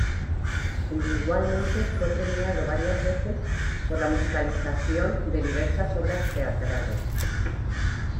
Individualmente fue premiado varias veces por la musicalización de diversas obras teatrales.